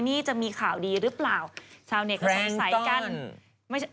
นี่จะมีข่าวดีหรือเปล่าชาวเน็ตก็สงสัยกันไม่ใช่